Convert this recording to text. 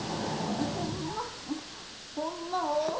ホンマホンマおお。